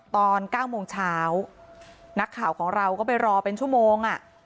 ตอน๙โมงเช้านักข่าวของเราก็ไปรอเป็นชั่วโมง